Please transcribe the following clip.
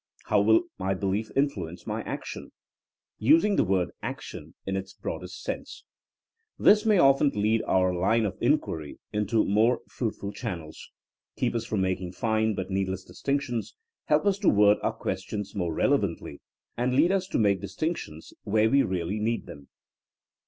How will my belief influence my action f — (using the word action '* in its broadest sense) . This may often lead our line of inquiry into more fruitful channels, keep us from making fine but needless distinctions, help us to word our ques tion more relevantly, and lead us to make dis tinctions where we really need them.